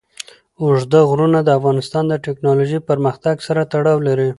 اوږده غرونه د افغانستان د تکنالوژۍ پرمختګ سره تړاو لري.